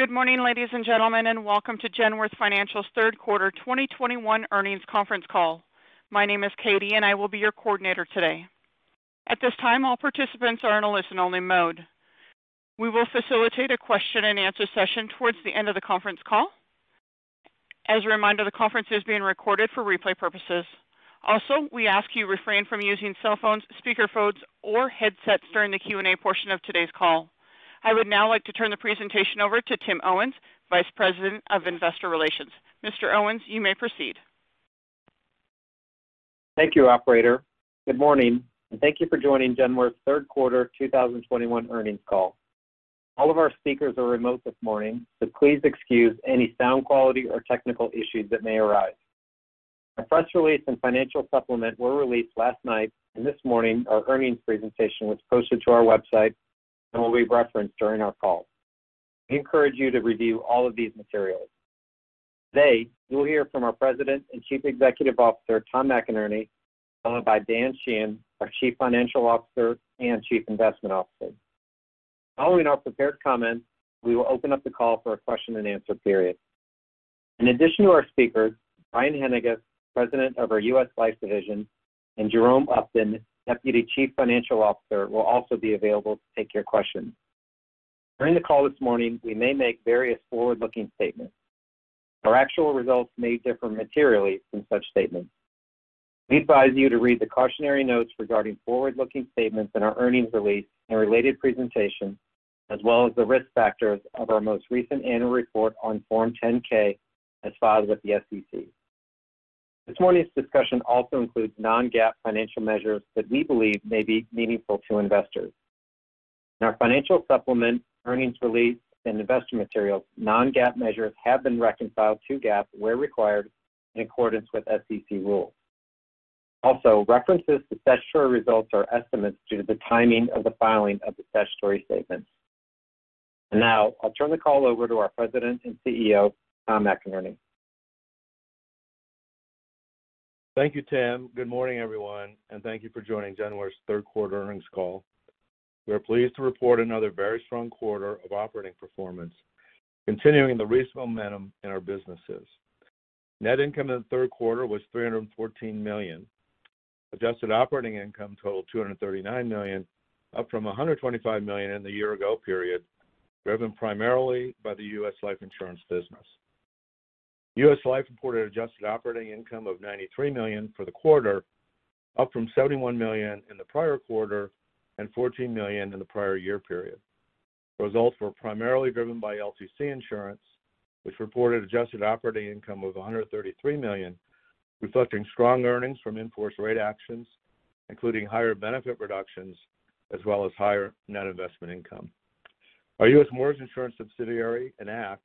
Good morning, ladies and gentlemen, and welcome to Genworth Financial's third quarter 2021 earnings conference call. My name is Katie and I will be your coordinator today. At this time, all participants are in a listen-only mode. We will facilitate a question-and-answer session towards the end of the conference call. As a reminder, the conference is being recorded for replay purposes. Also, we ask you refrain from using cell phones, speakerphones, or headsets during the Q&A portion of today's call. I would now like to turn the presentation over to Tim Owens, Vice President of Investor Relations. Mr. Owens, you may proceed. Thank you, operator. Good morning, and thank you for joining Genworth's third quarter 2021 earnings call. All of our speakers are remote this morning, so please excuse any sound quality or technical issues that may arise. Our press release and financial supplement were released last night, and this morning our earnings presentation was posted to our website and will be referenced during our call. We encourage you to review all of these materials. Today, you'll hear from our President and Chief Executive Officer, Tom McInerney, followed by Dan Sheehan, our Chief Financial Officer and Chief Investment Officer. Following our prepared comments, we will open up the call for a question-and-answer period. In addition to our speakers, Brian Haendiges, President of our U.S. Life division, and Jerome Upton, Deputy Chief Financial Officer, will also be available to take your questions. During the call this morning, we may make various forward-looking statements. Our actual results may differ materially from such statements. We advise you to read the cautionary notes regarding forward-looking statements in our earnings release and related presentation, as well as the risk factors of our most recent annual report on Form 10-K as filed with the SEC. This morning's discussion also includes non-GAAP financial measures that we believe may be meaningful to investors. In our financial supplement, earnings release, and investor materials, non-GAAP measures have been reconciled to GAAP where required in accordance with SEC rules. Also, references to statutory results are estimates due to the timing of the filing of the statutory statements. Now I'll turn the call over to our President and CEO, Tom McInerney. Thank you, Tim. Good morning, everyone, and thank you for joining Genworth's third quarter earnings call. We are pleased to report another very strong quarter of operating performance, continuing the recent momentum in our businesses. Net income in the third quarter was $314 million. Adjusted operating income totaled $239 million, up from $125 million in the year ago period, driven primarily by the U.S. life insurance business. U.S. Life reported adjusted operating income of $93 million for the quarter, up from $71 million in the prior quarter and $14 million in the prior year period. Results were primarily driven by LTC Insurance, which reported adjusted operating income of $133 million, reflecting strong earnings from in-force rate actions, including higher benefit reductions as well as higher net investment income. Our U.S. Mortgage Insurance subsidiary, Enact,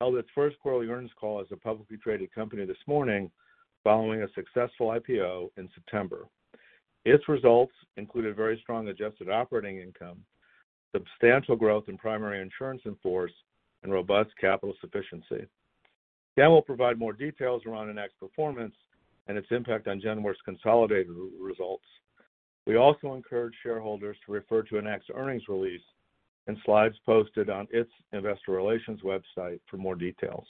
held its first quarterly earnings call as a publicly traded company this morning following a successful IPO in September. Its results included very strong adjusted operating income, substantial growth in primary insurance in force, and robust capital sufficiency. Dan will provide more details around Enact's performance and its impact on Genworth's consolidated results. We also encourage shareholders to refer to Enact's earnings release and slides posted on its investor relations website for more details.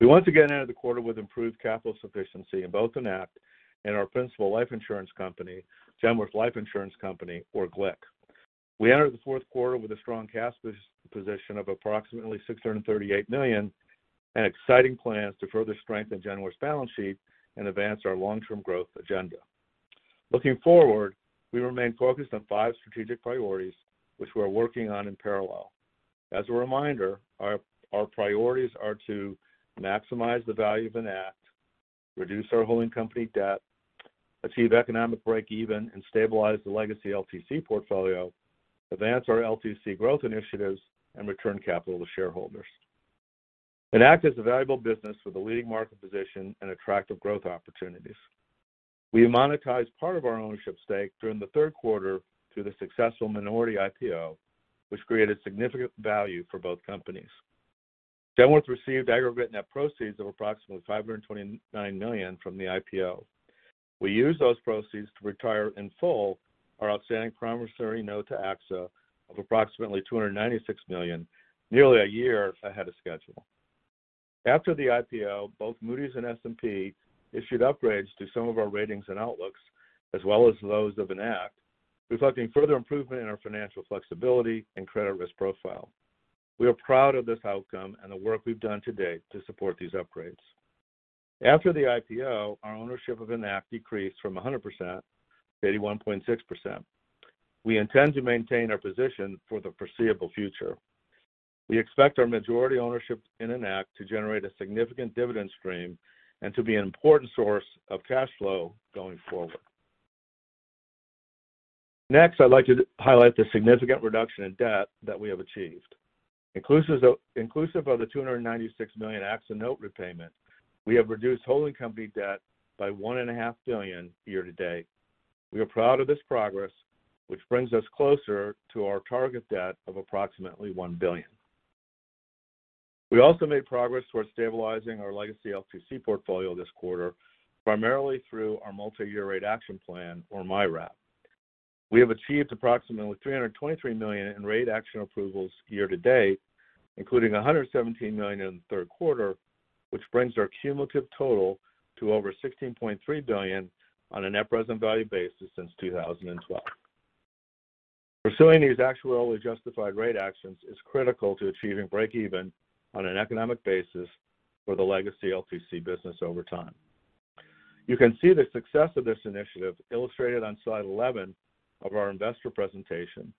We once again ended the quarter with improved capital sufficiency in both Enact and our principal life insurance company, Genworth Life Insurance Company or GLIC. We entered the fourth quarter with a strong cash position of approximately $638 million and exciting plans to further strengthen Genworth's balance sheet and advance our long-term growth agenda. Looking forward, we remain focused on five strategic priorities which we're working on in parallel. As a reminder, our priorities are to maximize the value of Enact, reduce our holding company debt, achieve economic breakeven and stabilize the legacy LTC portfolio, advance our LTC growth initiatives, and return capital to shareholders. Enact is a valuable business with a leading market position and attractive growth opportunities. We monetized part of our ownership stake during the third quarter through the successful minority IPO, which created significant value for both companies. Genworth received aggregate net proceeds of approximately $529 million from the IPO. We used those proceeds to retire in full our outstanding promissory note to AXA of approximately $296 million, nearly a year ahead of schedule. After the IPO, both Moody's and S&P issued upgrades to some of our ratings and outlooks, as well as those of Enact, reflecting further improvement in our financial flexibility and credit risk profile. We are proud of this outcome and the work we've done to date to support these upgrades. After the IPO, our ownership of Enact decreased from 100% to 81.6%. We intend to maintain our position for the foreseeable future. We expect our majority ownership in Enact to generate a significant dividend stream and to be an important source of cash flow going forward. Next, I'd like to highlight the significant reduction in debt that we have achieved. Inclusive of the $296 million AXA note repayment, we have reduced holding company debt by $1.5 billion year to date. We are proud of this progress, which brings us closer to our target debt of approximately $1 billion. We also made progress towards stabilizing our legacy LTC portfolio this quarter, primarily through our Multi-Year Rate Action Plan or MYRAP. We have achieved approximately $323 million in rate action approvals year to date, including $117 million in the third quarter, which brings our cumulative total to over $16.3 billion on a net present value basis since 2012. Pursuing these actuarially justified rate actions is critical to achieving breakeven on an economic basis for the legacy LTC business over time. You can see the success of this initiative illustrated on slide 11 of our investor presentation,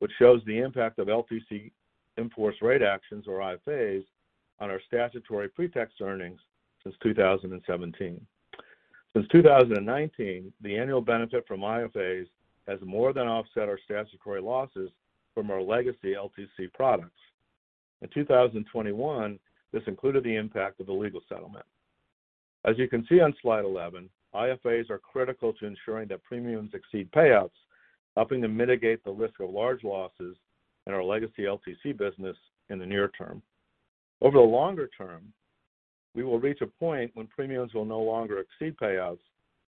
which shows the impact of LTC in-force rate actions or IFAs on our statutory pre-tax earnings since 2017. Since 2019, the annual benefit from IFAs has more than offset our statutory losses from our legacy LTC products. In 2021, this included the impact of the legal settlement. As you can see on slide 11, IFAs are critical to ensuring that premiums exceed payouts, helping to mitigate the risk of large losses in our legacy LTC business in the near term. Over the longer term, we will reach a point when premiums will no longer exceed payouts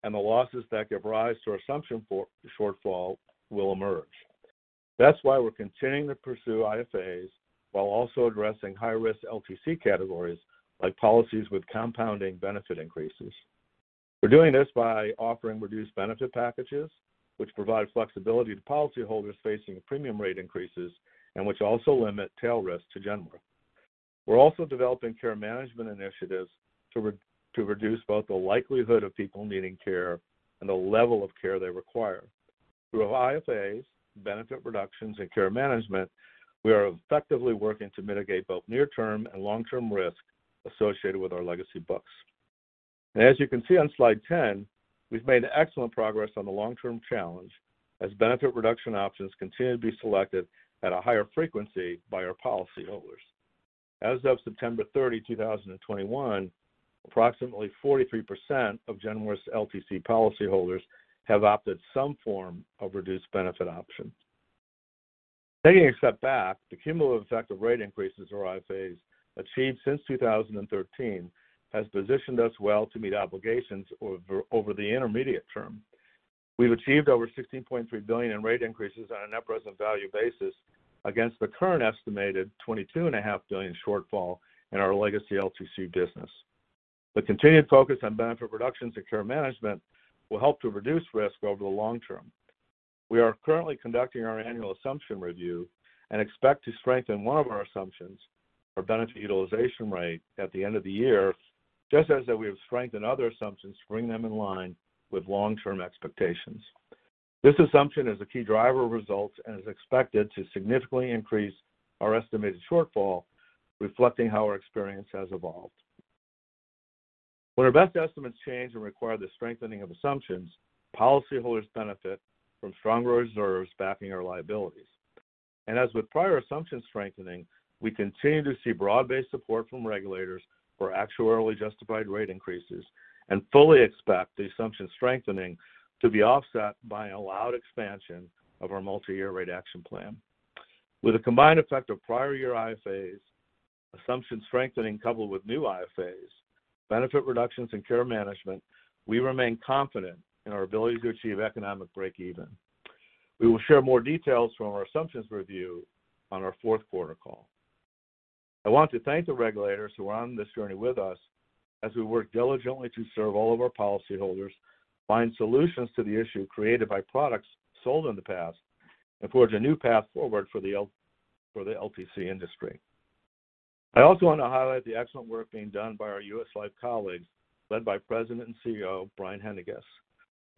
and the losses that give rise to our assumption for shortfall will emerge. That's why we're continuing to pursue IFAs while also addressing high-risk LTC categories like policies with compounding benefit increases. We're doing this by offering reduced benefit packages, which provide flexibility to policyholders facing premium rate increases and which also limit tail risk to Genworth. We're also developing care management initiatives to reduce both the likelihood of people needing care and the level of care they require. Through IFAs, benefit reductions, and care management, we are effectively working to mitigate both near-term and long-term risk associated with our legacy books. As you can see on slide 10, we've made excellent progress on the long-term challenge as benefit reduction options continue to be selected at a higher frequency by our policyholders. As of September 30, 2021, approximately 43% of Genworth's LTC policyholders have opted some form of reduced benefit option. Taking a step back, the cumulative effect of rate increases or IFAs achieved since 2013 has positioned us well to meet obligations over the intermediate term. We've achieved over $16.3 billion in rate increases on a net present value basis against the current estimated $22.5 billion shortfall in our legacy LTC business. The continued focus on benefit reductions and care management will help to reduce risk over the long term. We are currently conducting our annual assumption review and expect to strengthen one of our assumptions for benefit utilization rate at the end of the year, just as we have strengthened other assumptions to bring them in line with long-term expectations. This assumption is a key driver of results and is expected to significantly increase our estimated shortfall, reflecting how our experience has evolved. When our best estimates change and require the strengthening of assumptions, policyholders benefit from stronger reserves backing our liabilities. As with prior assumption strengthening, we continue to see broad-based support from regulators for actuarially justified rate increases and fully expect the assumption strengthening to be offset by allowed expansion of our Multi-Year Rate Action Plan. With the combined effect of prior year IFAs, assumption strengthening coupled with new IFAs, benefit reductions in care management, we remain confident in our ability to achieve economic breakeven. We will share more details from our assumptions review on our fourth quarter call. I want to thank the regulators who are on this journey with us as we work diligently to serve all of our policyholders, find solutions to the issue created by products sold in the past, and forge a new path forward for the LTC industry. I also want to highlight the excellent work being done by our U.S. Life colleagues, led by President and CEO Brian Haendiges.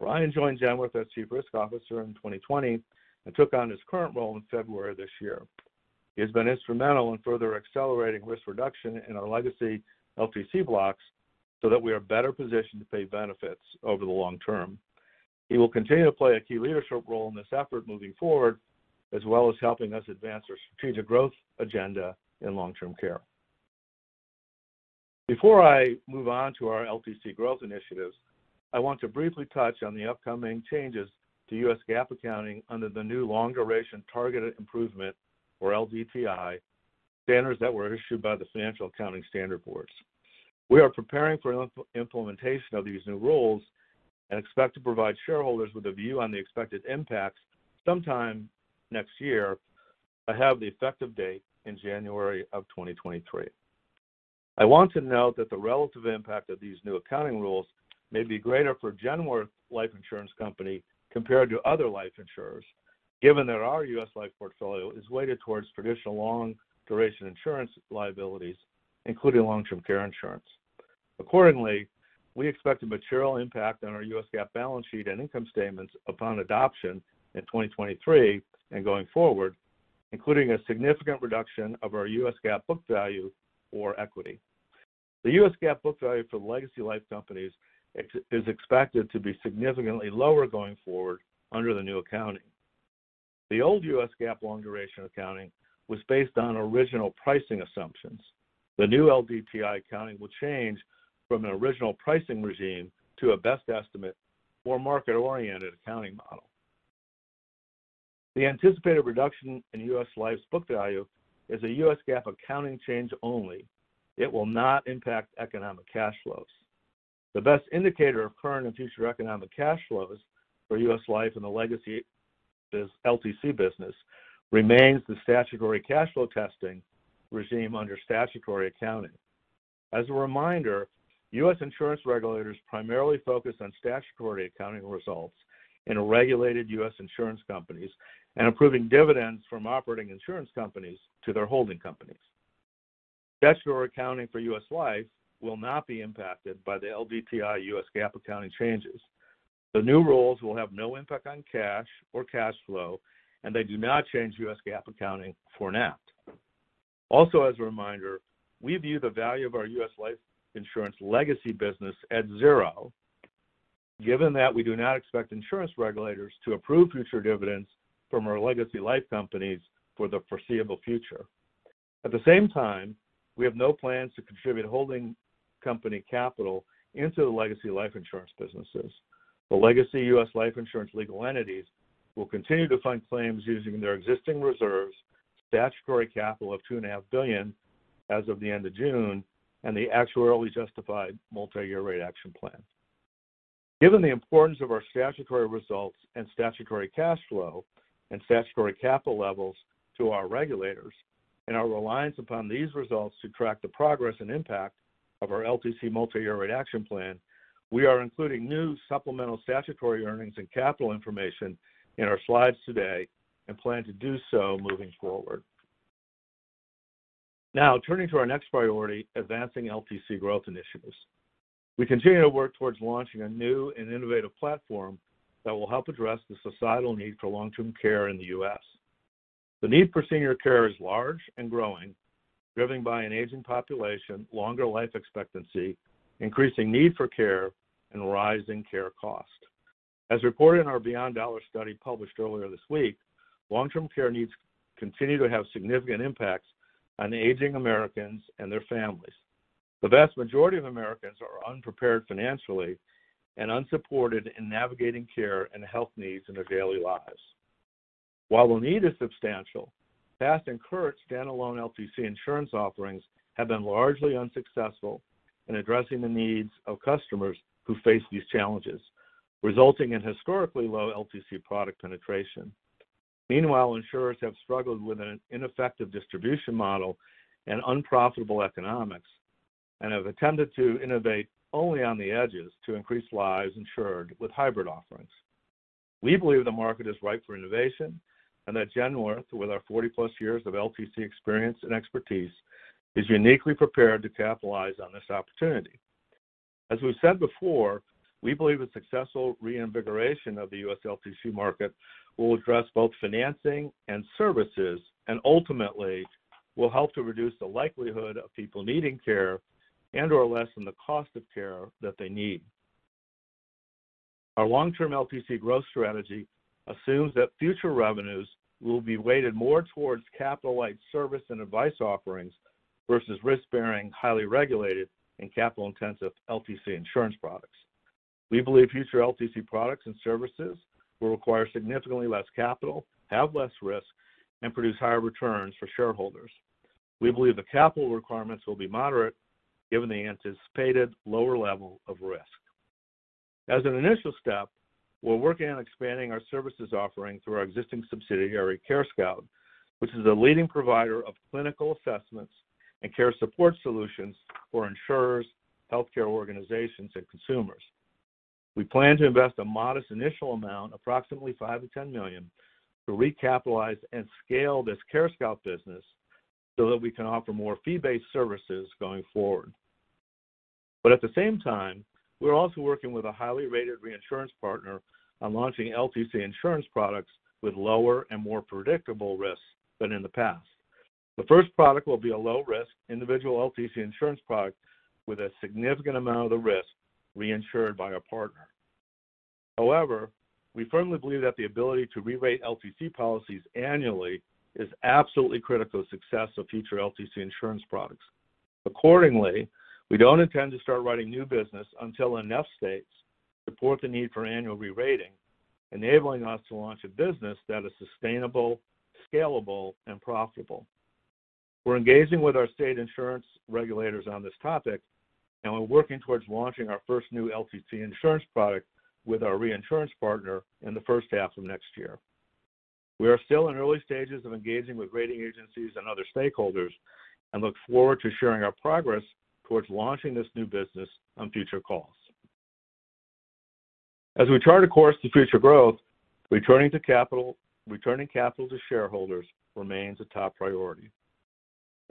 Brian joined Genworth as Chief Risk Officer in 2020 and took on his current role in February of this year. He has been instrumental in further accelerating risk reduction in our legacy LTC blocks so that we are better positioned to pay benefits over the long term. He will continue to play a key leadership role in this effort moving forward, as well as helping us advance our strategic growth agenda in long-term care. Before I move on to our LTC growth initiatives, I want to briefly touch on the upcoming changes to U.S. GAAP accounting under the new long-duration targeted improvement or LDTI standards that were issued by the Financial Accounting Standards Board. We are preparing for implementation of these new rules and expect to provide shareholders with a view on the expected impacts sometime next year, but have the effective date in January of 2023. I want to note that the relative impact of these new accounting rules may be greater for Genworth Life Insurance Company compared to other life insurers, given that our U.S. Life portfolio is weighted towards traditional long-duration insurance liabilities, including long-term care insurance. Accordingly, we expect a material impact on our U.S. GAAP balance sheet and income statements upon adoption in 2023 and going forward, including a significant reduction of our U.S. GAAP book value or equity. The U.S. GAAP book value for the legacy life companies is expected to be significantly lower going forward under the new accounting. The old U.S. GAAP long-duration accounting was based on original pricing assumptions. The new LDTI accounting will change from an original pricing regime to a best estimate or market-oriented accounting model. The anticipated reduction in U.S. Life's book value is a U.S. GAAP accounting change only. It will not impact economic cash flows. The best indicator of current and future economic cash flows for U.S. Life and the legacy LTC business remains the statutory cash flow testing regime under statutory accounting. As a reminder, U.S. insurance regulators primarily focus on statutory accounting results in regulated U.S. insurance companies and approving dividends from operating insurance companies to their holding companies. Statutory accounting for U.S. Life will not be impacted by the LDTI U.S. GAAP accounting changes. The new rules will have no impact on cash or cash flow, and they do not change U.S. GAAP accounting for Enact. Also as a reminder, we view the value of our U.S. life insurance legacy business at zero, given that we do not expect insurance regulators to approve future dividends from our legacy life companies for the foreseeable future. At the same time, we have no plans to contribute holding company capital into the legacy life insurance businesses. The legacy U.S. life insurance legal entities will continue to fund claims using their existing reserves, statutory capital of $2.5 billion as of the end of June, and the actuarially justified multi-year rate action plan. Given the importance of our statutory results and statutory cash flow and statutory capital levels to our regulators and our reliance upon these results to track the progress and impact of our LTC Multi-Year Rate Action Plan, we are including new supplemental statutory earnings and capital information in our slides today and plan to do so moving forward. Now, turning to our next priority, advancing LTC growth initiatives. We continue to work towards launching a new and innovative platform that will help address the societal need for long-term care in the U.S. The need for senior care is large and growing, driven by an aging population, longer life expectancy, increasing need for care, and rising care costs. As reported in our Beyond Dollars study published earlier this week, long-term care needs continue to have significant impacts on aging Americans and their families. The vast majority of Americans are unprepared financially and unsupported in navigating care and health needs in their daily lives. While the need is substantial, past and current standalone LTC insurance offerings have been largely unsuccessful in addressing the needs of customers who face these challenges, resulting in historically low LTC product penetration. Meanwhile, insurers have struggled with an ineffective distribution model and unprofitable economics and have attempted to innovate only on the edges to increase lives insured with hybrid offerings. We believe the market is ripe for innovation and that Genworth, with our 40+ years of LTC experience and expertise, is uniquely prepared to capitalize on this opportunity. As we've said before, we believe a successful reinvigoration of the U.S. LTC market will address both financing and services, and ultimately will help to reduce the likelihood of people needing care and/or lessen the cost of care that they need. Our long-term LTC growth strategy assumes that future revenues will be weighted more towards capital-light service and advice offerings versus risk-bearing, highly regulated, and capital-intensive LTC insurance products. We believe future LTC products and services will require significantly less capital, have less risk, and produce higher returns for shareholders. We believe the capital requirements will be moderate given the anticipated lower level of risk. As an initial step, we're working on expanding our services offering through our existing subsidiary, CareScout, which is a leading provider of clinical assessments and care support solutions for insurers, healthcare organizations, and consumers. We plan to invest a modest initial amount, approximately $5 million-$10 million, to recapitalize and scale this CareScout business so that we can offer more fee-based services going forward. At the same time, we're also working with a highly rated reinsurance partner on launching LTC insurance products with lower and more predictable risks than in the past. The first product will be a low-risk individual LTC insurance product with a significant amount of the risk reinsured by our partner. However, we firmly believe that the ability to rerate LTC policies annually is absolutely critical to the success of future LTC insurance products. Accordingly, we don't intend to start writing new business until enough states support the need for annual rerating, enabling us to launch a business that is sustainable, scalable, and profitable. We're engaging with our state insurance regulators on this topic, and we're working towards launching our first new LTC insurance product with our reinsurance partner in the first half of next year. We are still in early stages of engaging with rating agencies and other stakeholders and look forward to sharing our progress towards launching this new business on future calls. As we chart a course to future growth, returning capital to shareholders remains a top priority.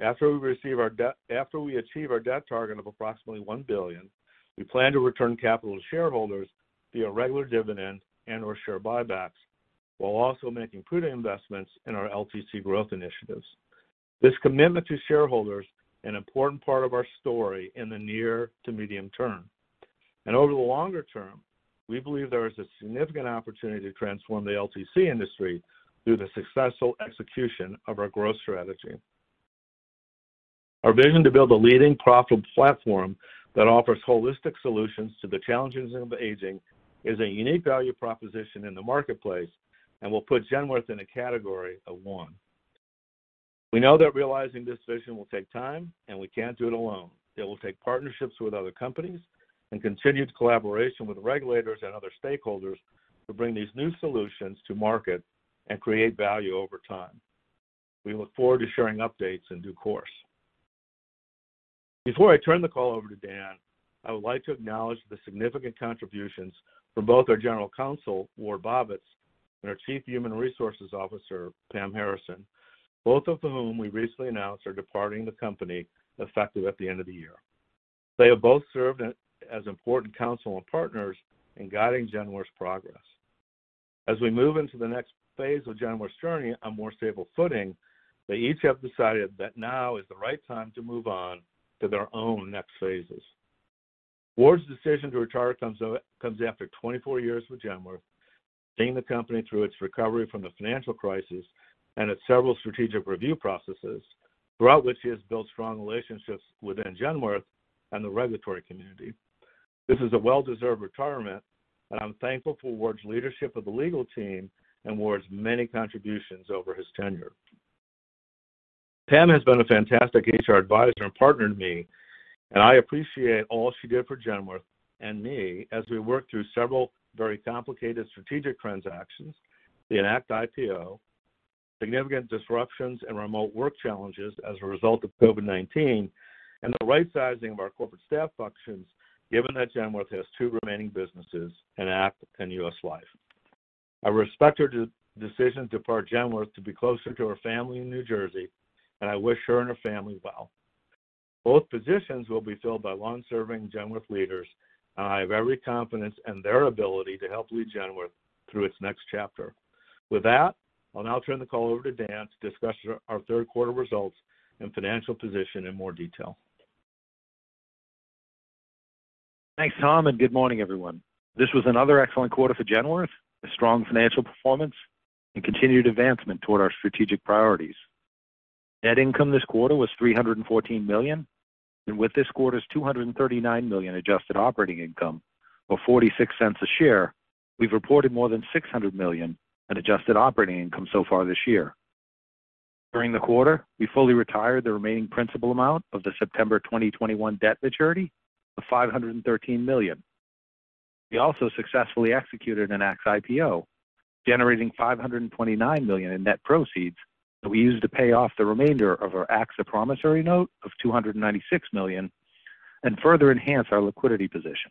After we achieve our debt target of approximately $1 billion, we plan to return capital to shareholders via regular dividends and/or share buybacks while also making prudent investments in our LTC growth initiatives. This commitment to shareholders, an important part of our story in the near to medium term. Over the longer term, we believe there is a significant opportunity to transform the LTC industry through the successful execution of our growth strategy. Our vision to build a leading profitable platform that offers holistic solutions to the challenges of aging is a unique value proposition in the marketplace and will put Genworth in a category of one. We know that realizing this vision will take time, and we can't do it alone. It will take partnerships with other companies and continued collaboration with regulators and other stakeholders to bring these new solutions to market and create value over time. We look forward to sharing updates in due course. Before I turn the call over to Dan, I would like to acknowledge the significant contributions from both our General Counsel, Ward Bobitz, and our Chief Human Resources Officer, Pam Harrison, both of whom we recently announced are departing the company effective at the end of the year. They have both served as important counsel and partners in guiding Genworth's progress. As we move into the next phase of Genworth's journey on more stable footing, they each have decided that now is the right time to move on to their own next phases. Ward's decision to retire comes after 24 years with Genworth, seeing the company through its recovery from the financial crisis and its several strategic review processes, throughout which he has built strong relationships within Genworth and the regulatory community. This is a well-deserved retirement, and I'm thankful for Ward's leadership of the legal team and Ward's many contributions over his tenure. Pam has been a fantastic HR advisor and partner to me, and I appreciate all she did for Genworth and me as we worked through several very complicated strategic transactions, the Enact IPO, significant disruptions and remote work challenges as a result of COVID-19, and the right sizing of our corporate staff functions, given that Genworth has two remaining businesses, Enact and U.S. Life. I respect her decision to depart Genworth to be closer to her family in New Jersey, and I wish her and her family well. Both positions will be filled by long-serving Genworth leaders, and I have every confidence in their ability to help lead Genworth through its next chapter. With that, I'll now turn the call over to Dan to discuss our third quarter results and financial position in more detail. Thanks, Tom, and good morning, everyone. This was another excellent quarter for Genworth, a strong financial performance, and continued advancement toward our strategic priorities. Net income this quarter was $314 million, and with this quarter's $239 million adjusted operating income, or $0.46 a share, we've reported more than $600 million in adjusted operating income so far this year. During the quarter, we fully retired the remaining principal amount of the September 2021 debt maturity of $513 million. We also successfully executed Enact's IPO, generating $529 million in net proceeds that we used to pay off the remainder of our AXA promissory note of $296 million and further enhance our liquidity position.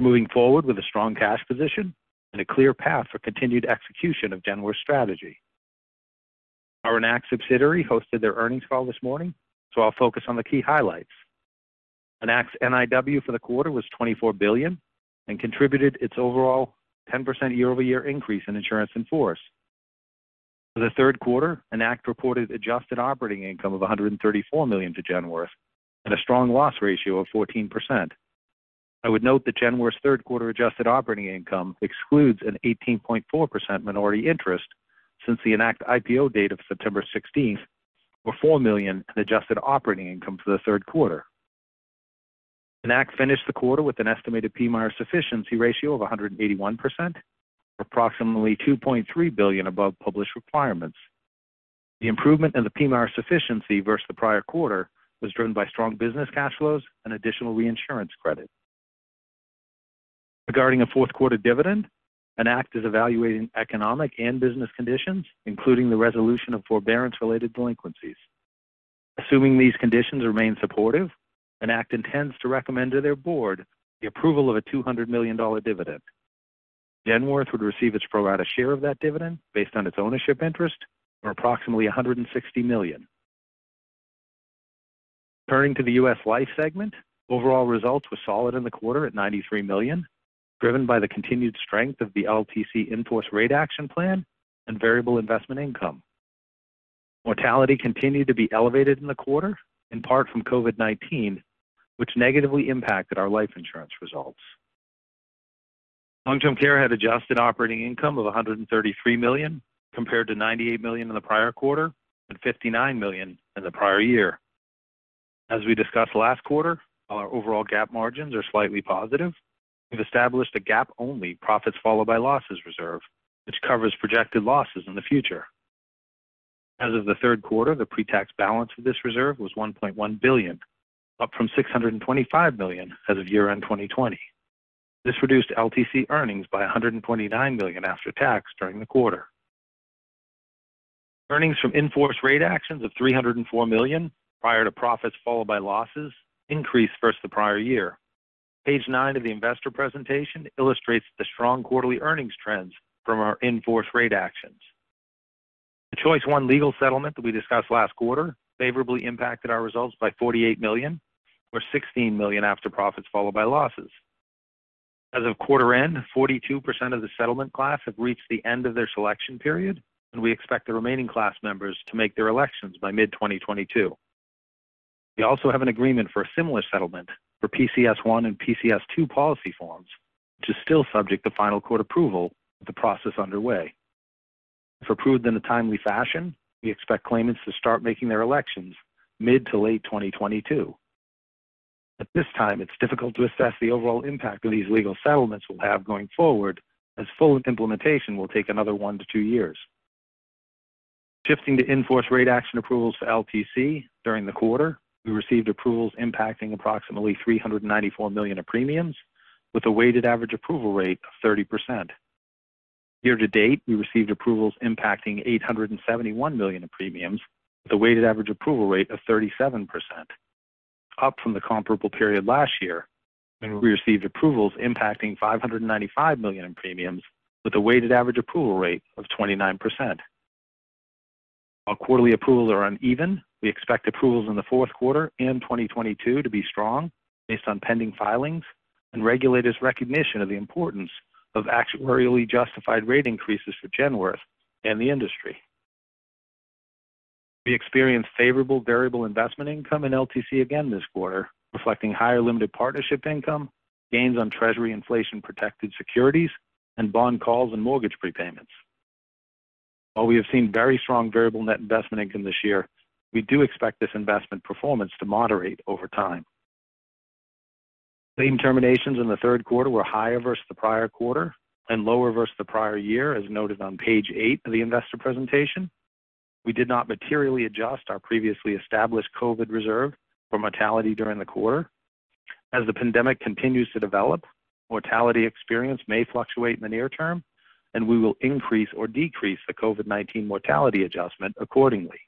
Moving forward with a strong cash position and a clear path for continued execution of Genworth's strategy. Our Enact subsidiary hosted their earnings call this morning, so I'll focus on the key highlights. Enact's NIW for the quarter was $24 billion and contributed its overall 10% year-over-year increase in insurance in force. For the third quarter, Enact reported adjusted operating income of $134 million to Genworth and a strong loss ratio of 14%. I would note that Genworth's third quarter adjusted operating income excludes an 18.4% minority interest since the Enact IPO date of September 16, or $4 million in adjusted operating income for the third quarter. Enact finished the quarter with an estimated PMIER sufficiency ratio of 181%, approximately $2.3 billion above published requirements. The improvement in the PMIER sufficiency versus the prior quarter was driven by strong business cash flows and additional reinsurance credit. Regarding a fourth-quarter dividend, Enact is evaluating economic and business conditions, including the resolution of forbearance-related delinquencies. Assuming these conditions remain supportive, Enact intends to recommend to their board the approval of a $200 million dividend. Genworth would receive its pro rata share of that dividend based on its ownership interest for approximately $160 million. Turning to the U.S. Life segment, overall results were solid in the quarter at $93 million, driven by the continued strength of the LTC in-force rate action plan and variable investment income. Mortality continued to be elevated in the quarter, in part from COVID-19, which negatively impacted our life insurance results. Long-term care had adjusted operating income of $133 million, compared to $98 million in the prior quarter and $59 million in the prior year. As we discussed last quarter, our overall GAAP margins are slightly positive. We've established a GAAP-only profits followed by losses reserve, which covers projected losses in the future. As of the third quarter, the pre-tax balance of this reserve was $1.1 billion, up from $625 million as of year-end 2020. This reduced LTC earnings by $129 million after tax during the quarter. Earnings from in-force rate actions of $304 million prior to profits followed by losses increased versus the prior year. Page 9 of the investor presentation illustrates the strong quarterly earnings trends from our in-force rate actions. The Choice 1 legal settlement that we discussed last quarter favorably impacted our results by $48 million or $16 million after profits followed by losses. As of quarter end, 42% of the settlement class have reached the end of their selection period, and we expect the remaining class members to make their elections by mid-2022. We also have an agreement for a similar settlement for PCS1 and PCS2 policy forms, which is still subject to final court approval with the process underway. If approved in a timely fashion, we expect claimants to start making their elections mid- to late 2022. At this time, it's difficult to assess the overall impact that these legal settlements will have going forward as full implementation will take another 1-2 years. Shifting to in-force rate action approvals for LTC during the quarter, we received approvals impacting approximately $394 million of premiums with a weighted average approval rate of 30%. Year to date, we received approvals impacting $871 million in premiums with a weighted average approval rate of 37%, up from the comparable period last year when we received approvals impacting $595 million in premiums with a weighted average approval rate of 29%. While quarterly approvals are uneven, we expect approvals in the fourth quarter in 2022 to be strong based on pending filings and regulators' recognition of the importance of actuarially justified rate increases for Genworth and the industry. We experienced favorable variable investment income in LTC again this quarter, reflecting higher limited partnership income, gains on treasury inflation-protected securities, and bond calls and mortgage prepayments. While we have seen very strong variable net investment income this year, we do expect this investment performance to moderate over time. Claim terminations in the third quarter were higher versus the prior quarter and lower versus the prior year, as noted on page 8 of the investor presentation. We did not materially adjust our previously established COVID reserve for mortality during the quarter. As the pandemic continues to develop, mortality experience may fluctuate in the near term, and we will increase or decrease the COVID-19 mortality adjustment accordingly.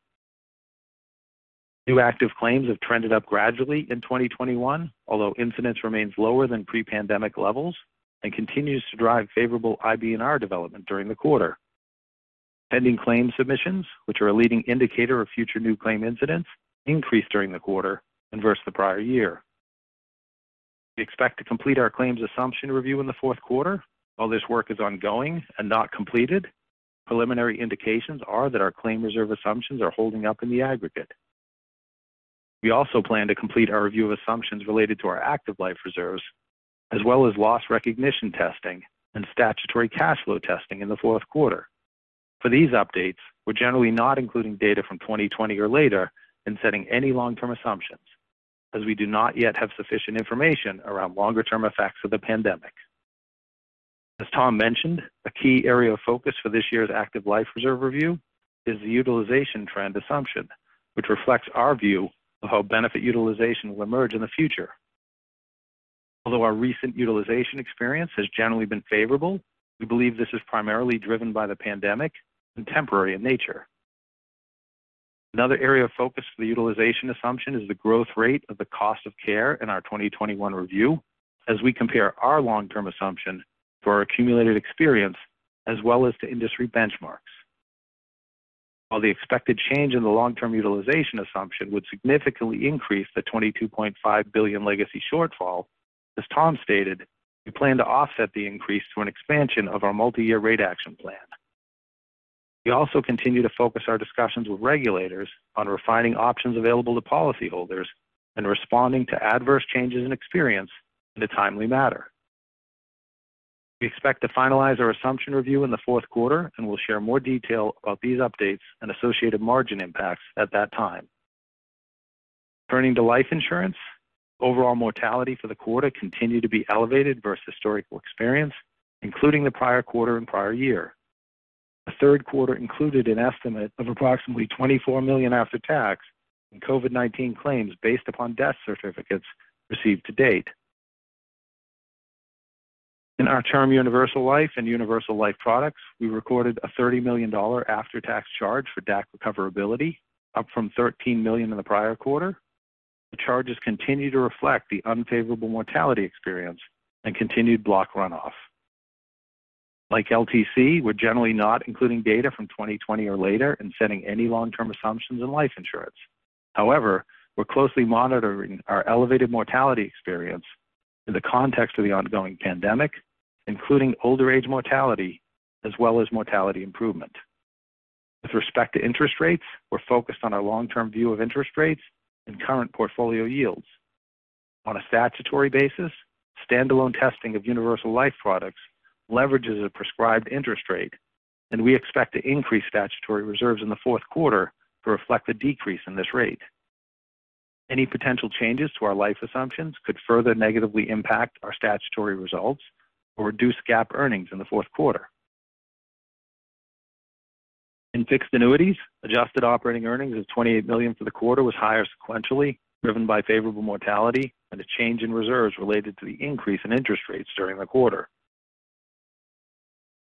New active claims have trended up gradually in 2021, although incidence remains lower than pre-pandemic levels and continues to drive favorable IBNR development during the quarter. Pending claims submissions, which are a leading indicator of future new claim incidents, increased during the quarter and versus the prior year. We expect to complete our claims assumption review in the fourth quarter. While this work is ongoing and not completed, preliminary indications are that our claim reserve assumptions are holding up in the aggregate. We also plan to complete our review of assumptions related to our active life reserves, as well as loss recognition testing and statutory cash flow testing in the fourth quarter. For these updates, we're generally not including data from 2020 or later in setting any long-term assumptions, as we do not yet have sufficient information around longer-term effects of the pandemic. As Tom mentioned, a key area of focus for this year's active life reserve review is the utilization trend assumption, which reflects our view of how benefit utilization will emerge in the future. Although our recent utilization experience has generally been favorable, we believe this is primarily driven by the pandemic and temporary in nature. Another area of focus for the utilization assumption is the growth rate of the cost of care in our 2021 review as we compare our long-term assumption to our accumulated experience as well as to industry benchmarks. While the expected change in the long-term utilization assumption would significantly increase the $22.5 billion legacy shortfall, as Tom stated, we plan to offset the increase through an expansion of our Multi-Year Rate Action Plan. We also continue to focus our discussions with regulators on refining options available to policyholders and responding to adverse changes in experience in a timely manner. We expect to finalize our assumption review in the fourth quarter, and we'll share more detail about these updates and associated margin impacts at that time. Turning to life insurance, overall mortality for the quarter continued to be elevated versus historical experience, including the prior quarter and prior year. The third quarter included an estimate of approximately $24 million after-tax in COVID-19 claims based upon death certificates received to date. In our term universal life and universal life products, we recorded a $30 million after-tax charge for DAC recoverability, up from $13 million in the prior quarter. The charges continue to reflect the unfavorable mortality experience and continued block runoff. Like LTC, we're generally not including data from 2020 or later in setting any long-term assumptions in life insurance. However, we're closely monitoring our elevated mortality experience in the context of the ongoing pandemic, including older age mortality as well as mortality improvement. With respect to interest rates, we're focused on our long-term view of interest rates and current portfolio yields. On a statutory basis, standalone testing of universal life products leverages a prescribed interest rate, and we expect to increase statutory reserves in the fourth quarter to reflect the decrease in this rate. Any potential changes to our life assumptions could further negatively impact our statutory results or reduce GAAP earnings in the fourth quarter. In fixed annuities, adjusted operating earnings of $28 million for the quarter was higher sequentially, driven by favorable mortality and a change in reserves related to the increase in interest rates during the quarter.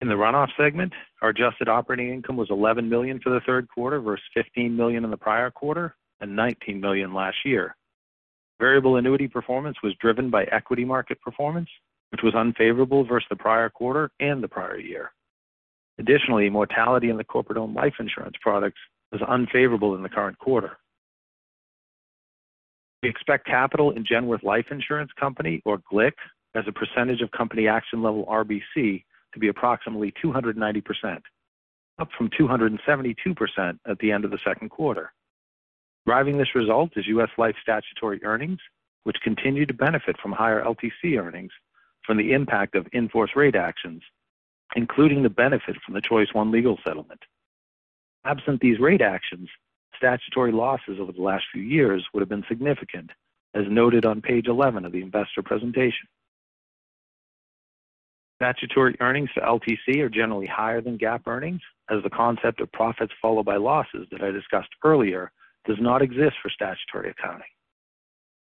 In the runoff segment, our adjusted operating income was $11 million for the third quarter versus $15 million in the prior quarter and $19 million last year. Variable annuity performance was driven by equity market performance, which was unfavorable versus the prior quarter and the prior year. Additionally, mortality in the corporate-owned life insurance products was unfavorable in the current quarter. We expect capital in Genworth Life Insurance Company or GLIC as a percentage of company action level RBC to be approximately 290%, up from 272% at the end of the second quarter. Driving this result is U.S. Life statutory earnings, which continue to benefit from higher LTC earnings from the impact of in-force rate actions, including the benefit from the Choice 1 legal settlement. Absent these rate actions, statutory losses over the last few years would have been significant, as noted on page 11 of the investor presentation. Statutory earnings for LTC are generally higher than GAAP earnings, as the concept of profits followed by losses that I discussed earlier does not exist for statutory accounting.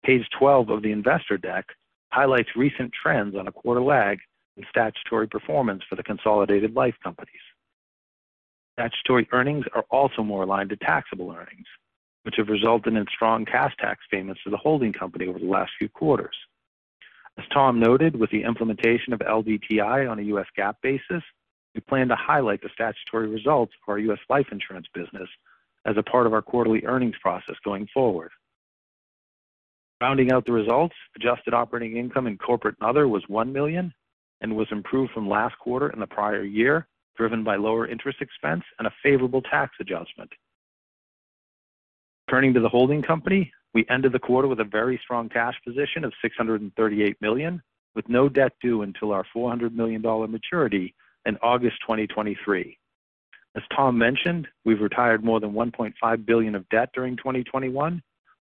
Page 12 of the investor deck highlights recent trends on a quarter lag in statutory performance for the consolidated life companies. Statutory earnings are also more aligned to taxable earnings, which have resulted in strong cash tax payments to the holding company over the last few quarters. As Tom noted, with the implementation of LDTI on a U.S. GAAP basis, we plan to highlight the statutory results for our U.S. life insurance business as a part of our quarterly earnings process going forward. Rounding out the results, adjusted operating income in corporate and other was $1 million and was improved from last quarter in the prior year, driven by lower interest expense and a favorable tax adjustment. Turning to the holding company, we ended the quarter with a very strong cash position of $638 million, with no debt due until our $400 million maturity in August 2023. As Tom mentioned, we've retired more than $1.5 billion of debt during 2021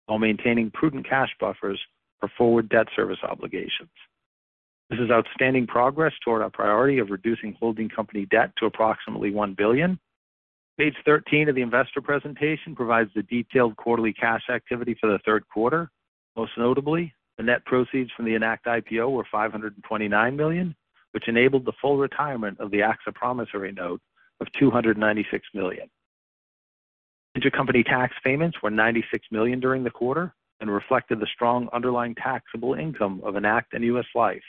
while maintaining prudent cash buffers for forward debt service obligations. This is outstanding progress toward our priority of reducing holding company debt to approximately $1 billion. Page 13 of the investor presentation provides the detailed quarterly cash activity for the third quarter. Most notably, the net proceeds from the Enact IPO were $529 million, which enabled the full retirement of the AXA promissory note of $296 million. Intercompany tax payments were $96 million during the quarter and reflected the strong underlying taxable income of Enact and U.S. Life.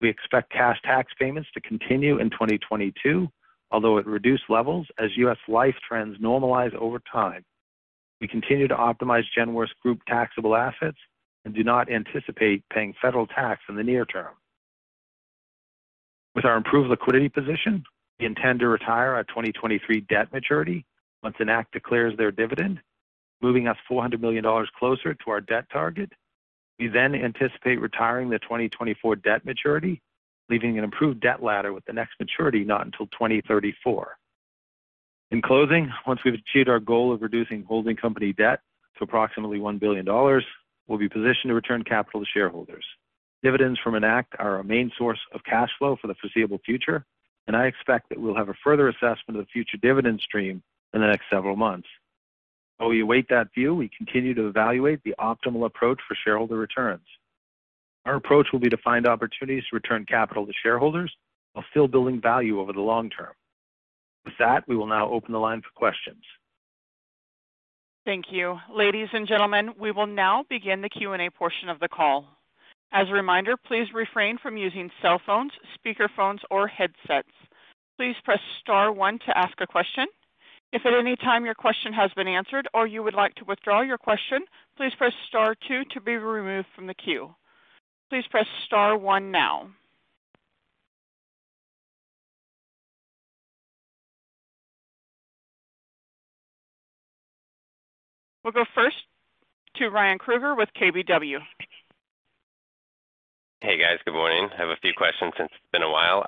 We expect cash tax payments to continue in 2022, although at reduced levels as U.S. Life trends normalize over time. We continue to optimize Genworth's group taxable assets and do not anticipate paying federal tax in the near term. With our improved liquidity position, we intend to retire our 2023 debt maturity once Enact declares their dividend, moving us $400 million closer to our debt target. We then anticipate retiring the 2024 debt maturity, leaving an improved debt ladder with the next maturity not until 2034. In closing, once we've achieved our goal of reducing holding company debt to approximately $1 billion, we'll be positioned to return capital to shareholders. Dividends from Enact are our main source of cash flow for the foreseeable future, and I expect that we'll have a further assessment of the future dividend stream in the next several months. While we await that view, we continue to evaluate the optimal approach for shareholder returns. Our approach will be to find opportunities to return capital to shareholders while still building value over the long term. With that, we will now open the line for questions. Thank you. Ladies and gentlemen, we will now begin the Q&A portion of the call. As a reminder, please refrain from using cell phones, speaker phones or headsets. Please press star one to ask a question. If at any time your question has been answered or you would like to withdraw your question, please press star two to be removed from the queue. Please press star one now. We'll go first to Ryan Krueger with KBW. Hey, guys. Good morning. I have a few questions since it's been a while.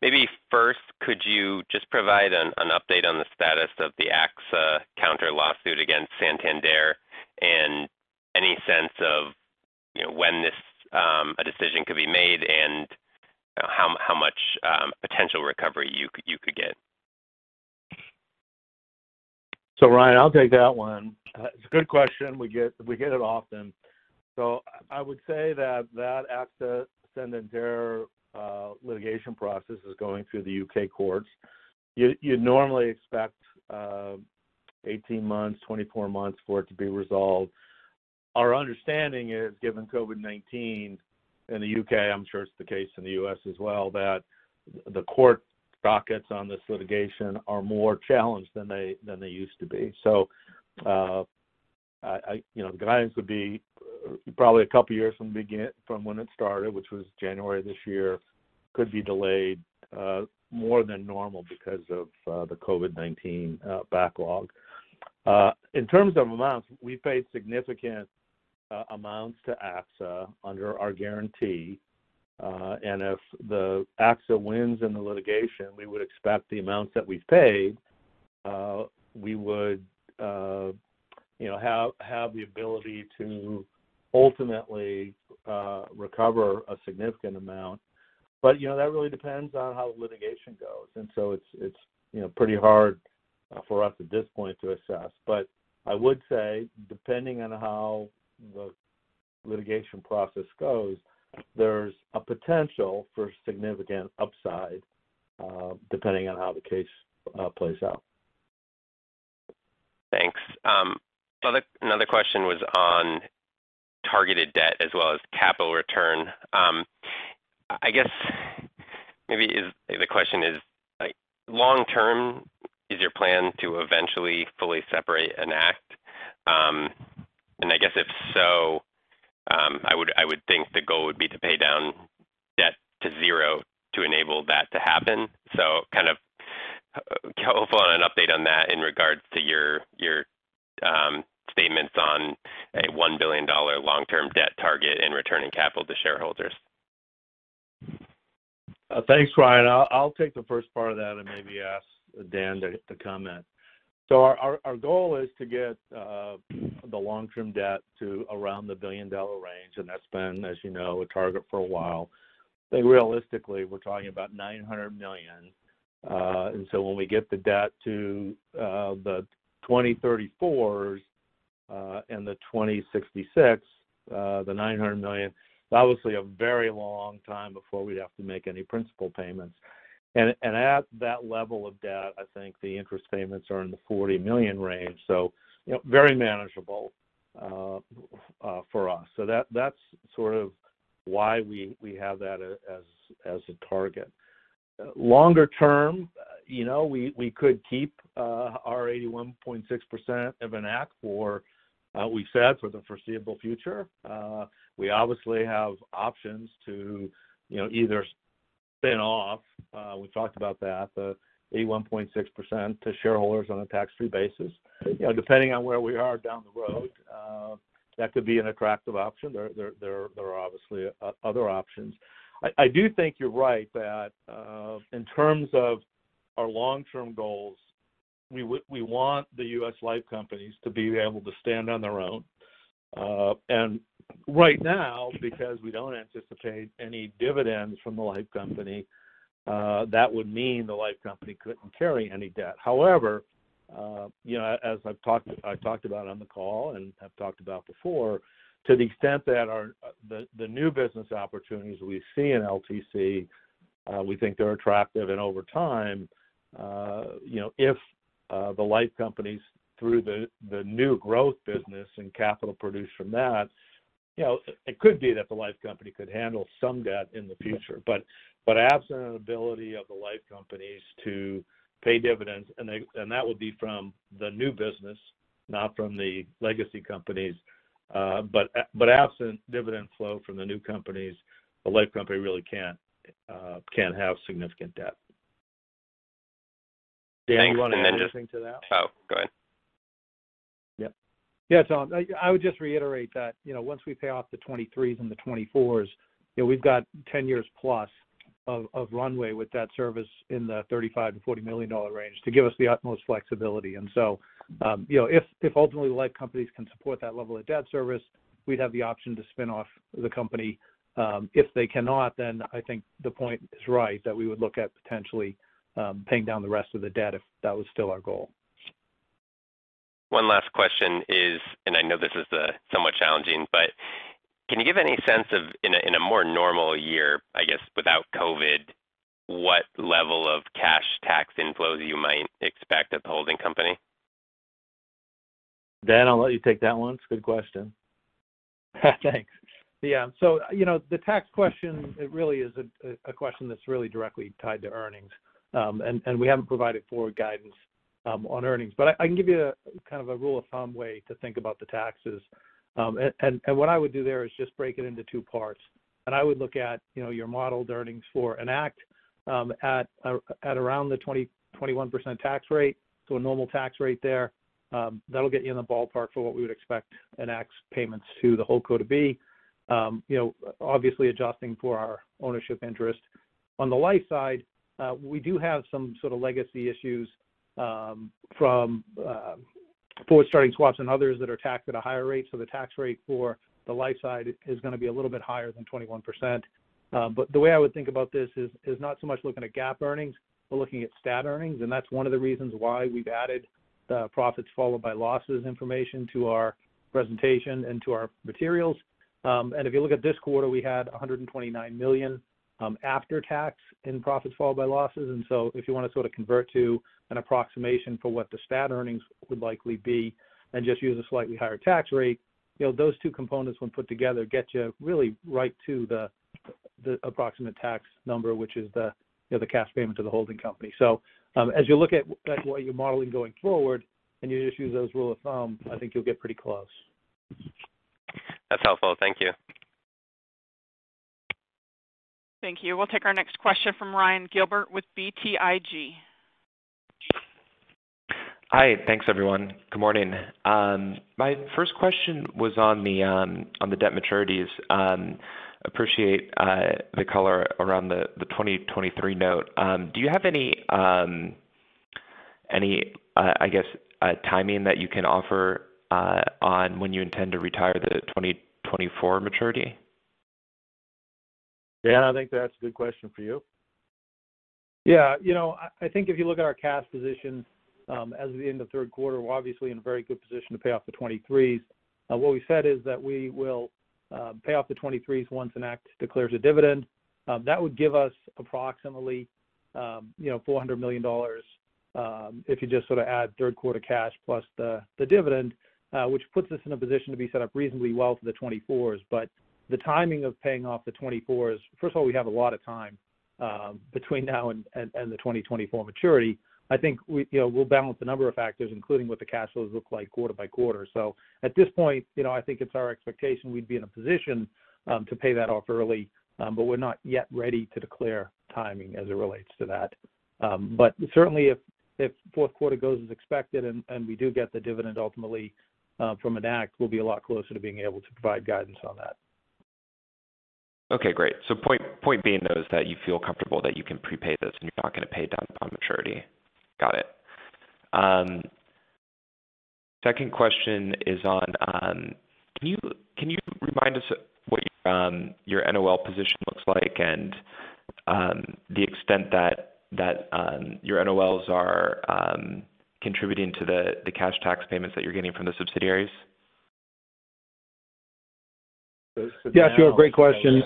Maybe first, could you just provide an update on the status of the AXA counter lawsuit against Santander and any sense of, you know, when this decision could be made and, you know, how much potential recovery you could get? Ryan, I'll take that one. It's a good question. We get it often. I would say that AXA Santander litigation process is going through the U.K. courts. You'd normally expect 18 months, 24 months for it to be resolved. Our understanding is, given COVID-19 in the U.K., I'm sure it's the case in the U.S. as well, that the court dockets on this litigation are more challenged than they used to be. You know, guidance would be probably a couple of years from when it started, which was January this year. Could be delayed more than normal because of the COVID-19 backlog. In terms of amounts, we paid significant amounts to AXA under our guarantee. If the AXA wins in the litigation, we would expect the amounts that we've paid you know have the ability to ultimately recover a significant amount. You know, that really depends on how the litigation goes. It's you know pretty hard for us at this point to assess. I would say, depending on how the litigation process goes, there's a potential for significant upside, depending on how the case plays out. Thanks. Another question was on targeted debt as well as capital return. I guess the question is, like, long term, is your plan to eventually fully separate Enact? I guess if so, I would think the goal would be to pay down to enable that to happen. Kind of hopeful on an update on that in regards to your statements on a $1 billion long-term debt target in returning capital to shareholders. Thanks, Ryan. I'll take the first part of that and maybe ask Dan to comment. Our goal is to get the long-term debt to around the billion-dollar range, and that's been, as you know, a target for a while. Realistically, we're talking about $900 million. When we get the debt to the 2034s and the 2066, the $900 million, obviously a very long time before we'd have to make any principal payments. At that level of debt, I think the interest payments are in the $40 million range, so you know, very manageable for us. That's sort of why we have that as a target. Longer term, you know, we could keep our 81.6% of Enact for the foreseeable future, we said. We obviously have options to, you know, either spin off, we talked about that, the 81.6% to shareholders on a tax-free basis. Depending on where we are down the road, that could be an attractive option. There are obviously other options. I do think you're right that in terms of our long-term goals, we want the U.S. life companies to be able to stand on their own. Right now, because we don't anticipate any dividends from the life company, that would mean the life company couldn't carry any debt. However, you know, as I've talked about on the call and have talked about before, to the extent that our the new business opportunities we see in LTC, we think they're attractive. Over time, you know, if the life companies through the new growth business and capital produced from that, you know, it could be that the life company could handle some debt in the future. Absent an ability of the life companies to pay dividends, and that would be from the new business, not from the legacy companies. Absent dividend flow from the new companies, the life company really can't have significant debt. Thanks. Dan, you want to add anything to that? Oh, go ahead. Yeah. Yeah, Tom, I would just reiterate that, you know, once we pay off the 2023s and the 2024s, you know, we've got 10+ years of runway with that service in the $35 million-$40 million range to give us the utmost flexibility. You know, if ultimately the life companies can support that level of debt service, we'd have the option to spin off the company. If they cannot, then I think the point is right that we would look at potentially paying down the rest of the debt if that was still our goal. One last question is, and I know this is somewhat challenging, but can you give any sense of in a more normal year, I guess, without COVID, what level of cash tax inflows you might expect at the holding company? Dan, I'll let you take that one. It's a good question. Thanks. Yeah. You know, the tax question, it really is a question that's really directly tied to earnings. We haven't provided forward guidance on earnings. I can give you kind of a rule of thumb way to think about the taxes. What I would do there is just break it into two parts. I would look at your modeled earnings for Enact at around the 21% tax rate, so a normal tax rate there. That'll get you in the ballpark for what we would expect Enact's payments to the holdco to be, you know, obviously adjusting for our ownership interest. On the life side, we do have some sort of legacy issues from forward starting swaps and others that are taxed at a higher rate. The tax rate for the life side is gonna be a little bit higher than 21%. But the way I would think about this is not so much looking at GAAP earnings, but looking at stat earnings. That's one of the reasons why we've added the profits followed by losses information to our presentation and to our materials. If you look at this quarter, we had $129 million after tax in profits followed by losses. If you want to sort of convert to an approximation for what the stat earnings would likely be and just use a slightly higher tax rate, you know, those two components, when put together, get you really right to the approximate tax number, which is, you know, the cash payment to the holding company. As you look at what you're modeling going forward and you just use those rule of thumb, I think you'll get pretty close. That's helpful. Thank you. Thank you. We'll take our next question from Ryan Gilbert with BTIG. Hi. Thanks, everyone. Good morning. My first question was on the debt maturities. Appreciate the color around the 2023 note. Do you have any, I guess, on when you intend to retire the 2024 maturity? Dan, I think that's a good question for you. Yeah. You know, I think if you look at our cash position, as of the end of third quarter, we're obviously in a very good position to pay off the 2023s. What we said is that we will pay off the 2023s once Enact declares a dividend. That would give us approximately, you know, $400 million, if you just sort of add third quarter cash plus the dividend, which puts us in a position to be set up reasonably well for the 2024s. The timing of paying off the 2024s, first of all, we have a lot of time, between now and the 2024 maturity. I think we, you know, we'll balance a number of factors, including what the cash flows look like quarter by quarter. At this point, you know, I think it's our expectation we'd be in a position to pay that off early. We're not yet ready to declare timing as it relates to that. Certainly if fourth quarter goes as expected and we do get the dividend ultimately from Enact, we'll be a lot closer to being able to provide guidance on that. Okay, great. Point being though is that you feel comfortable that you can prepay this and you're not gonna pay it down on maturity. Got it. Second question is, can you remind us what your NOL position looks like and the extent that your NOLs are contributing to the cash tax payments that you're getting from the subsidiaries? Yeah, sure. Great question.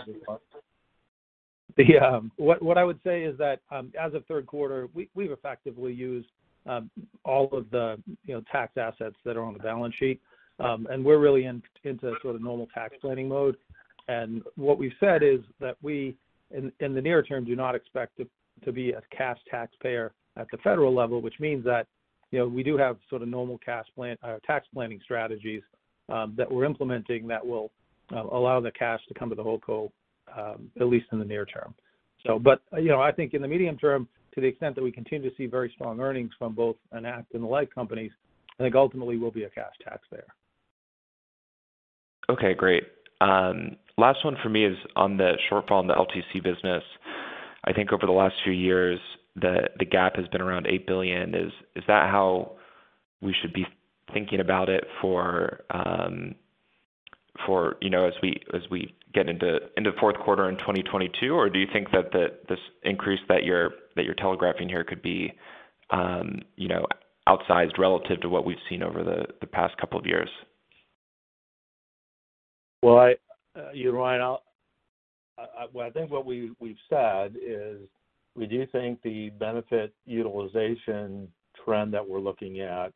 Yeah. What I would say is that, as of third quarter, we've effectively used all of the, you know, tax assets that are on the balance sheet. We're really into sort of normal tax planning mode. What we've said is that we, in the near term, do not expect to be a cash taxpayer at the federal level, which means that, you know, we do have sort of normal tax planning strategies that we're implementing that will allow the cash to come to the whole co, at least in the near term. But, you know, I think in the medium term, to the extent that we continue to see very strong earnings from both Enact and the Life companies, I think ultimately we'll be a cash taxpayer. Okay, great. Last one for me is on the shortfall in the LTC business. I think over the last few years, the gap has been around $8 billion. Is that how we should be thinking about it for, as we get into fourth quarter in 2022, or do you think that this increase that you're telegraphing here could be outsized relative to what we've seen over the past couple of years? Well, you know, Ryan, I think what we've said is we do think the benefit utilization trend that we're looking at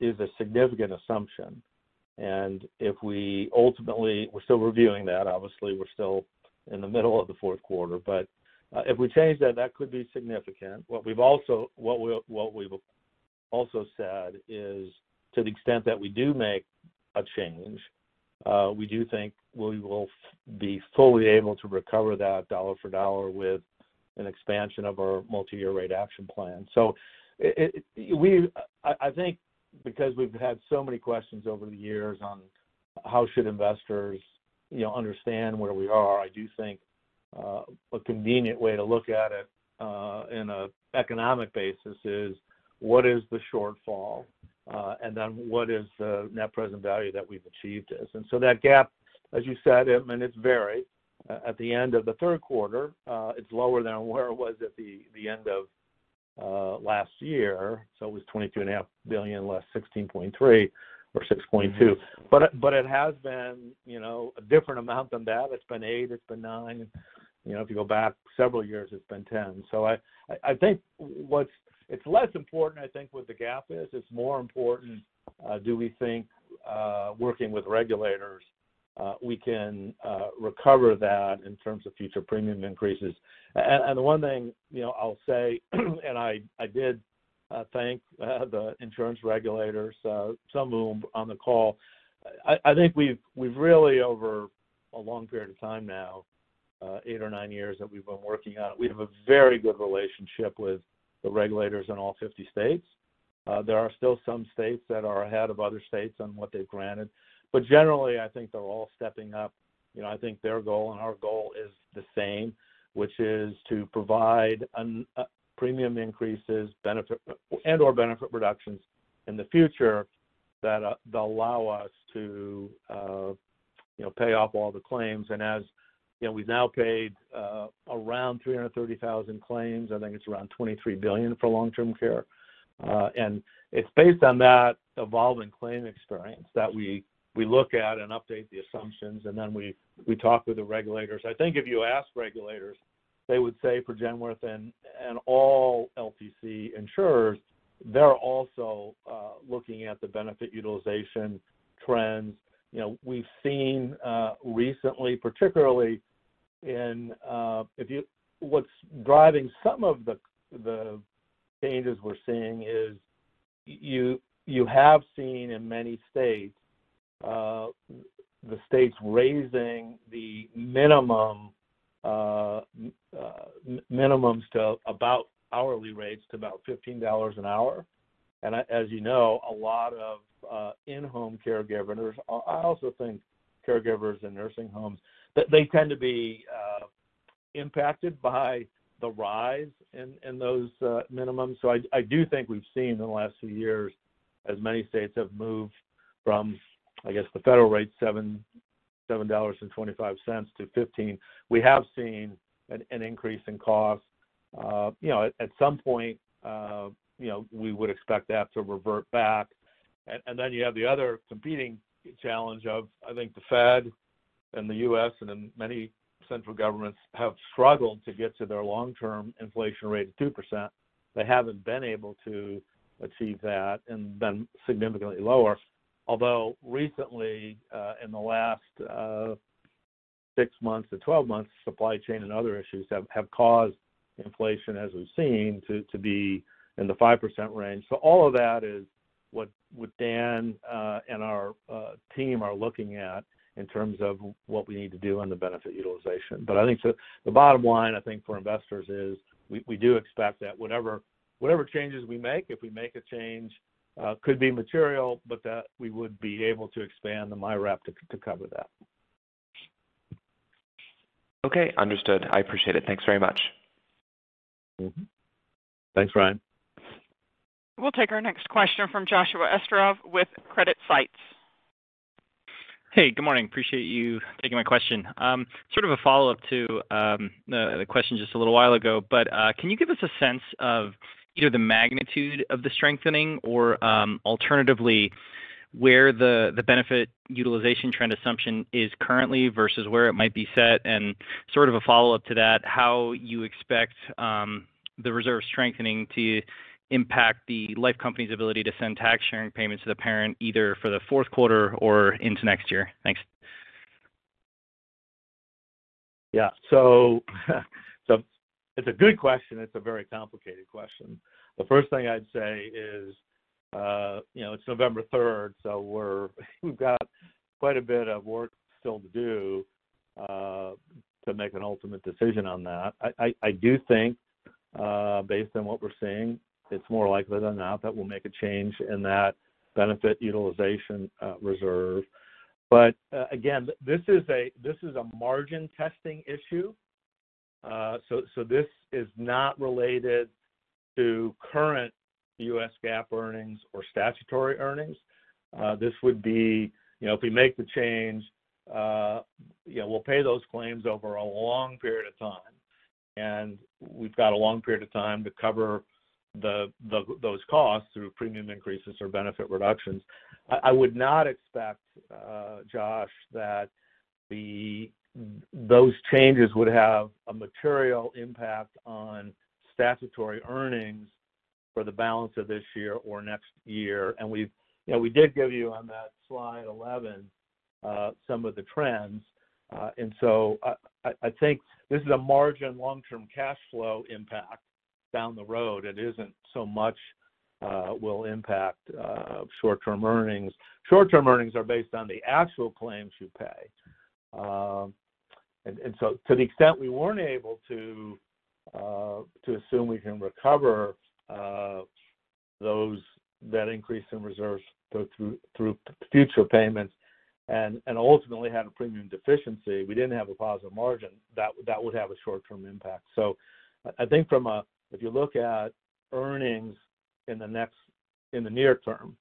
is a significant assumption. We're still reviewing that, obviously, we're still in the middle of the fourth quarter, but if we change that could be significant. What we've also said is to the extent that we do make a change, we do think we will be fully able to recover that dollar for dollar with an expansion of our Multi-Year Rate Action Plan. I think because we've had so many questions over the years on how should investors, you know, understand where we are, I do think a convenient way to look at it in an economic basis is what is the shortfall and then what is the net present value that we've achieved is. That gap, as you said, and it's varied at the end of the third quarter, it's lower than where it was at the end of last year. It was $22.5 billion, less $16.3 or $6.2. It has been, you know, a different amount than that. It's been $8 billion, it's been $9 billion. You know, if you go back several years, it's been $10 billion. I think it's less important, I think, what the gap is. It's more important do we think working with regulators we can recover that in terms of future premium increases. One thing, you know, I'll say, and I did thank the insurance regulators, some of whom on the call. I think we've really over a long period of time now, eight or nine years that we've been working on it, we have a very good relationship with the regulators in all 50 states. There are still some states that are ahead of other states on what they've granted. Generally, I think they're all stepping up. You know, I think their goal and our goal is the same, which is to provide a premium increases, benefit and/or benefit reductions in the future that allow us to, you know, pay off all the claims. As you know, we've now paid around 330,000 claims. I think it's around $23 billion for long-term care. It's based on that evolving claim experience that we look at and update the assumptions, and then we talk with the regulators. I think if you ask regulators, they would say for Genworth and all LTC insurers, they're also looking at the benefit utilization trends. You know, we've seen recently, particularly in, what's driving some of the changes we're seeing is you have seen in many states the states raising the minimum hourly rates to about $15 an hour. As you know, a lot of in-home caregivers, I also think caregivers in nursing homes, that they tend to be impacted by the rise in those minimums. I do think we've seen in the last few years, as many states have moved from, I guess, the federal rate $7.25 to $15, we have seen an increase in costs. At some point, we would expect that to revert back. You have the other competing challenge of, I think the Fed and the U.S. and many central governments have struggled to get to their long-term inflation rate of 2%. They haven't been able to achieve that and have been significantly lower. Although recently, in the last 6 months to 12 months, supply chain and other issues have caused inflation, as we've seen, to be in the 5% range. all of that is what Dan and our team are looking at in terms of what we need to do on the benefit utilization. I think so the bottom line, I think, for investors is we do expect that whatever changes we make, if we make a change, could be material, but that we would be able to expand the MYRAP to cover that. Okay. Understood. I appreciate it. Thanks very much. Mm-hmm. Thanks, Ryan. We'll take our next question from Josh Esterov with CreditSights. Hey, good morning. Appreciate you taking my question. Sort of a follow-up to the question just a little while ago, but can you give us a sense of either the magnitude of the strengthening or alternatively, where the benefit utilization trend assumption is currently versus where it might be set? Sort of a follow-up to that, how you expect the reserve strengthening to impact the life company's ability to send tax sharing payments to the parent, either for the fourth quarter or into next year? Thanks. Yeah, it's a good question. It's a very complicated question. The first thing I'd say is, you know, it's November third, so we've got quite a bit of work still to do to make an ultimate decision on that. I do think, based on what we're seeing, it's more likely than not that we'll make a change in that benefit utilization reserve. Again, this is a margin testing issue. This is not related to current U.S. GAAP earnings or statutory earnings. This would be, you know, if we make the change, you know, we'll pay those claims over a long period of time, and we've got a long period of time to cover those costs through premium increases or benefit reductions. I would not expect, Josh, that those changes would have a material impact on statutory earnings for the balance of this year or next year. We've, you know, we did give you on that slide 11 some of the trends. I think this is a margin long-term cash flow impact down the road. It isn't so much will impact short-term earnings. Short-term earnings are based on the actual claims you pay. To the extent we weren't able to assume we can recover that increase in reserves through future payments and ultimately had a premium deficiency, we didn't have a positive margin, that would have a short-term impact. I think if you look at earnings in the near term,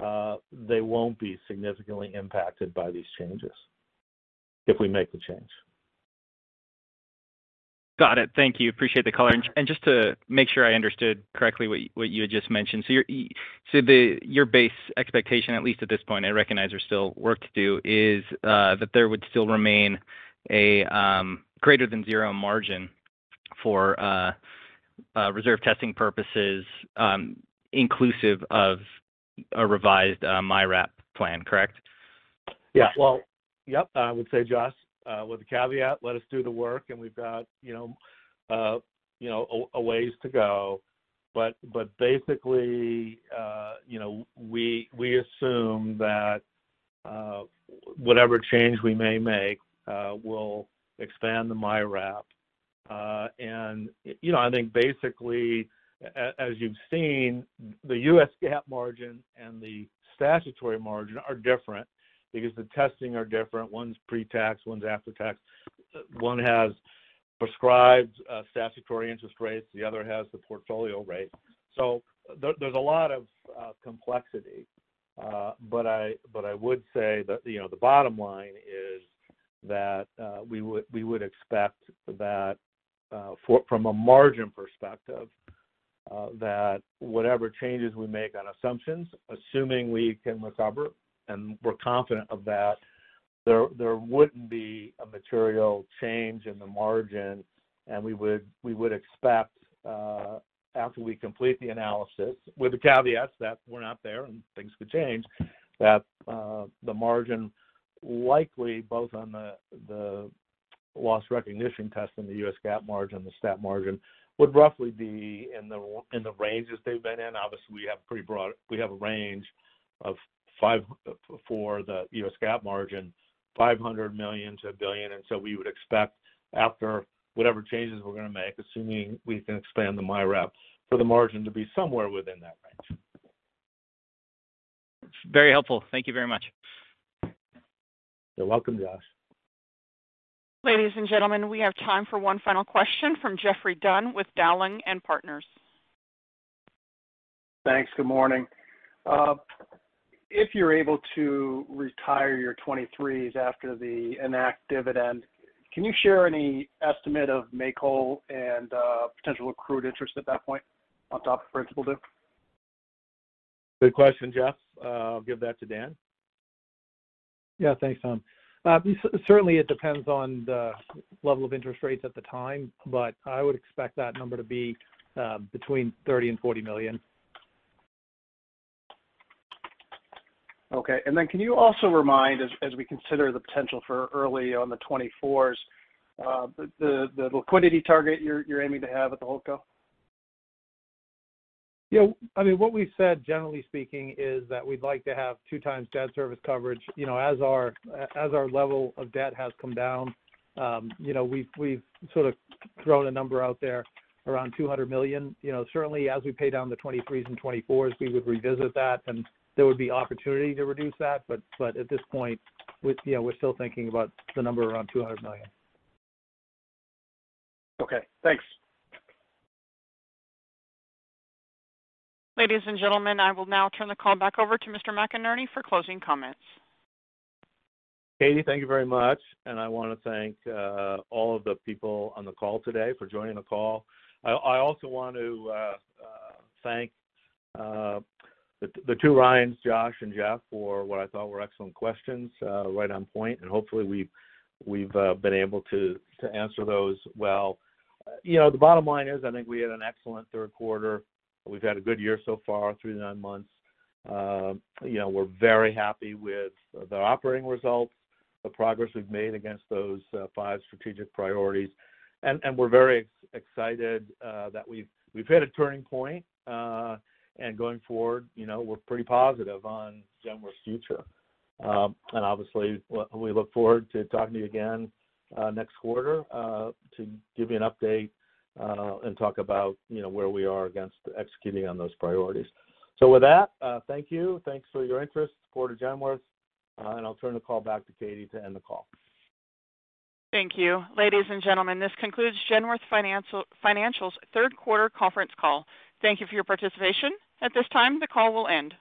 they won't be significantly impacted by these changes, if we make the change. Got it. Thank you. Appreciate the color. Just to make sure I understood correctly what you had just mentioned. Your base expectation, at least at this point, I recognize there's still work to do, is that there would still remain a greater than zero margin for reserve testing purposes, inclusive of a revised MYRAP plan, correct? Well, yep. I would say, Josh, with the caveat, let us do the work and we've got, you know, a ways to go. Basically, we assume that whatever change we may make will expand the MYRAP. You know, I think basically as you've seen, the U.S. GAAP margin and the statutory margin are different because the testing are different. One's pre-tax, one's after tax. One has prescribed statutory interest rates, the other has the portfolio rate. There's a lot of complexity. I would say that, you know, the bottom line is that we would expect that from a margin perspective that whatever changes we make on assumptions, assuming we can recover and we're confident of that, there wouldn't be a material change in the margin and we would expect after we complete the analysis, with the caveat that we're not there and things could change, that the margin likely both on the loss recognition test and the U.S. GAAP margin, the stat margin, would roughly be in the ranges they've been in. Obviously, we have a range of $500 million-$1 billion for the U.S. GAAP margin. We would expect after whatever changes we're gonna make, assuming we can expand the MYRAP, for the margin to be somewhere within that range. Very helpful. Thank you very much. You're welcome, Josh. Ladies and gentlemen, we have time for one final question from Geoffrey Dunn with Dowling & Partners. Thanks. Good morning. If you're able to retire your 2023s after the Enact dividend, can you share any estimate of make-whole and potential accrued interest at that point on top of principal due? Good question, Jeff. I'll give that to Dan. Yeah. Thanks, Tom. Certainly it depends on the level of interest rates at the time, but I would expect that number to be between $30 million and $40 million. Okay. Can you also remind, as we consider the potential for early on the 2024s, the liquidity target you're aiming to have at the holdco? Yeah. I mean, what we said, generally speaking, is that we'd like to have 2x debt service coverage, you know, as our level of debt has come down. You know, we've sort of thrown a number out there around $200 million. You know, certainly, as we pay down the 2023s and 2024s, we would revisit that, and there would be opportunity to reduce that. But at this point, you know, we're still thinking about the number around $200 million. Okay, thanks. Ladies and gentlemen, I will now turn the call back over to Mr. McInerney for closing comments. Katie, thank you very much. I wanna thank all of the people on the call today for joining the call. I also want to thank the two Ryans, Josh, and Jeff for what I thought were excellent questions right on point. Hopefully, we've been able to answer those well. You know, the bottom line is, I think we had an excellent third quarter. We've had a good year so far through the nine months. You know, we're very happy with the operating results, the progress we've made against those five strategic priorities. We're very excited that we've hit a turning point, and going forward, you know, we're pretty positive on Genworth's future. Obviously we look forward to talking to you again next quarter to give you an update and talk about, you know, where we are against executing on those priorities. With that, thank you. Thanks for your interest and support of Genworth, and I'll turn the call back to Katie to end the call. Thank you. Ladies and gentlemen, this concludes Genworth Financial's third quarter conference call. Thank you for your participation. At this time, the call will end.